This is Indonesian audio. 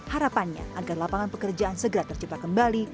harapannya agar lapangan pekerjaan segera tercipta kembali